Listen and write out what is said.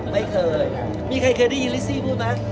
ไม่เคยมีใครเคยได้ยินลิซี่พูดไหม